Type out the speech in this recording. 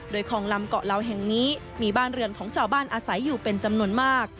โดยคลองลำเกาะเหลาแห่งนี้มีบ้านเรือนของชาวบ้านอาศัยอยู่เป็นจำนวนมาก